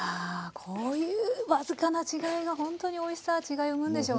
こういう僅かな違いがほんとにおいしさ違いを生むんでしょうね。